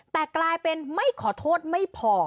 แต่กลายเป็นไม่ขอโทษไม่พอ